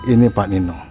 ini pak nino